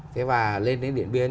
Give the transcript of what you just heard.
thế mà lên điện biên